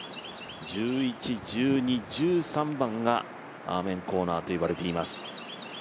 １１、１２、１３番がアーメンコーナーといわれています。